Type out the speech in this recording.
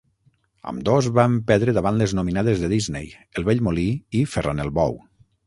Ambdós van perdre davant les nominades de Disney, "El vell molí" i "Ferran el bou".